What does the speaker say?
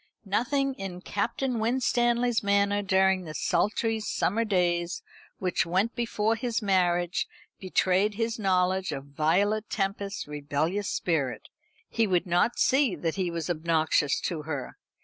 Nothing in Captain Winstanley's manner during the sultry summer days which went before his marriage betrayed his knowledge of Violet Tempest's rebellious spirit. He would not see that he was obnoxious to her.